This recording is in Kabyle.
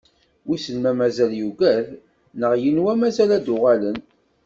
Wisen ma mazal yugad neɣ yenwa mazal ad d-uɣalen.